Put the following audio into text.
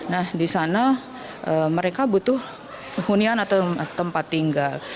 nah di sana mereka butuh hunian atau tempat tinggal